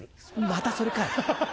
またそれかよ